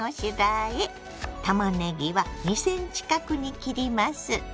たまねぎは２ｃｍ角に切ります。